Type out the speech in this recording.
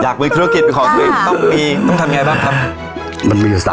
อยากมีธุรกิจเป็นของคุณต้องมีต้องทำยังไงบ้างครับ